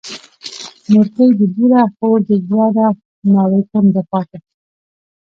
مورکۍ دي بوره، خور دي وراره، ناوې کونډه پاته